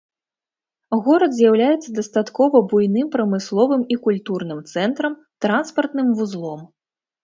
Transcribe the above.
Горад з'яўляецца дастаткова буйным прамысловым і культурным цэнтрам, транспартным вузлом.